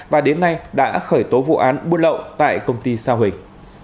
và đến nay đã khởi tố vụ án buôn lậu tại công ty sao hình